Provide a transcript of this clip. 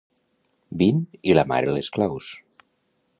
Vint i la mare les claus.